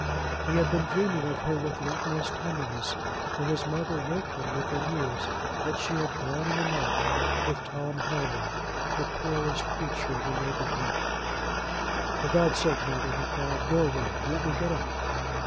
He had been dreaming of her with the utmost tenderness, when his mother woke him with the news that she had gone in the night with Tom Helmer, the poorest creature in the neighborhood. "For God's sake, mother," he cried, "go away, and let me get up!"